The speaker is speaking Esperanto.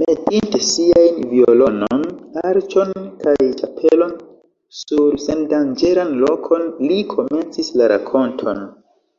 Metinte siajn violonon, arĉon kaj ĉapelon sur sendanĝeran lokon, li komencis la rakonton.